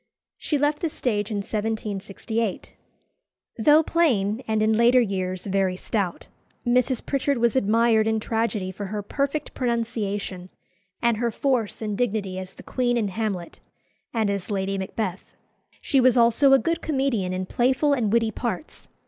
She left the stage in 1768. Though plain, and in later years very stout, Mrs. Pritchard was admired in tragedy for her perfect pronunciation and her force and dignity as the Queen in "Hamlet," and as Lady Macbeth. She was also a good comedian in playful and witty parts.